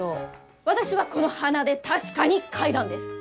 私はこの鼻で確かに嗅いだんです！